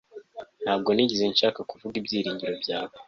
Ntabwo nigeze nshaka kuvuga ibyiringiro byawe